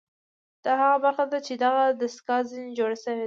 دا هغه برخه ده چې دغه دستګاه ځنې جوړه شوې ده